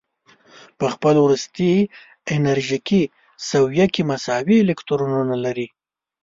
په خپل وروستي انرژیکي سویه کې مساوي الکترونونه لري.